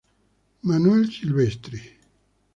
Manuel Silvestre